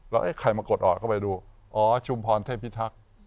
แล้วเอ๊ะใครมากดออดเข้าไปดูอ๋อชุมพรเทพิทักษ์